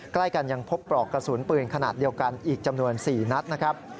ใกล้กันยังพบปลอกกระสุนปืนขนาดเดียวกันอีกจำนวน๔นัดนะครับ